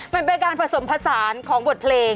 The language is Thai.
มันเป็นการผสมผสานของบทเพลง